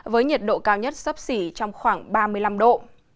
với nhiệt độ cao nhất sấp xỉ trong khoảng ba mươi năm độ